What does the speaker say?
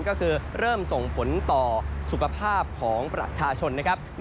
ก็คือเริ่มส่งผลต่อสุขภาพของประชาชนนะครับ